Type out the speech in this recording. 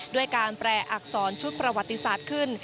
ด้วยการแปลอักษรชุดประวัติศาสตร์ขึ้น